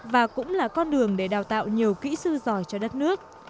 và cũng là con đường để đào tạo nhiều kỹ sư giỏi cho đất nước